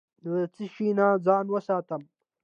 له څه شي ځان وساتم؟